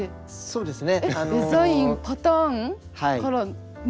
そうですね